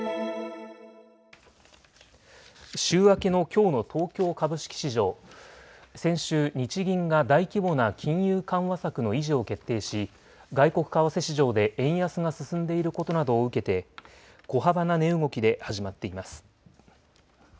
週明けのきょうの東京株式市場、先週、日銀が大規模な金融緩和策の維持を決定し外国為替市場で円安が進んでいることなどを受けて小幅な値動きで始まっています。